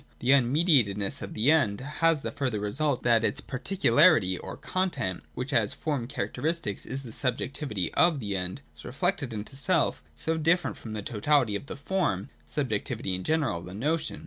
The un mediatedness of the End has the further result that its particularity or con tent — which as form characteristic is the subjectivity of the End — is reflected into self, and so different from the totality of the form, subjectivity in general, the notion.